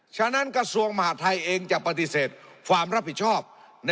ฉะนั้นกระทรวงมหาทัยเองจะปฏิเสธความรับผิดชอบ